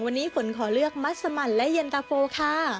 วันนี้ฝนขอเลือกมัสมันและเย็นตะโฟค่ะ